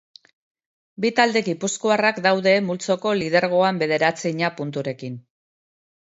Bi talde gipuzkoarrak daude multzoko lidergoan bederatzina punturekin.